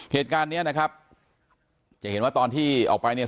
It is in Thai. เหตุการณ์เนี้ยนะครับจะเห็นว่าตอนที่ออกไปเนี่ย